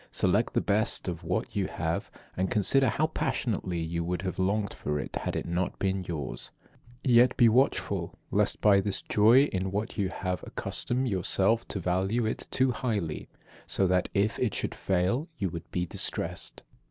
Select the best of what you have, and consider how passionately you would have longed for it had it not been yours. Yet be watchful, lest by this joy in what you have you accustom yourself to value it too highly; so that, if it should fail, you would be distressed.